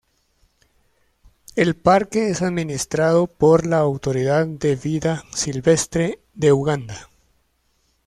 El parque es administrado por la Autoridad de Vida Silvestre de Uganda.